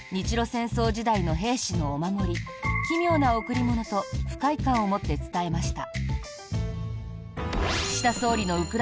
戦争時代の兵士のお守り奇妙な贈り物と不快感を持って伝えました。